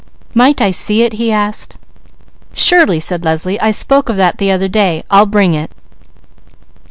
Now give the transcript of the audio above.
"Might I see it?" he asked. "Surely," said Leslie. "I spoke of that the other day. I'll bring it."